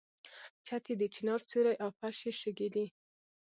چت یې د چنار سیوری او فرش یې شګې دي.